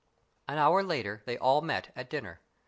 An hour later they all met at dinner.